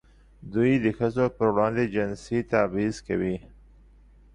دوی د ښځو پر وړاندې جنسي تبعیض کوي.